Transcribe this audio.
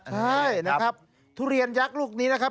ใช่นะครับทุเรียนยักษ์ลูกนี้นะครับ